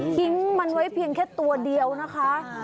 ทิ้งมันไว้เพียงแค่ตัวเดียวนะคะ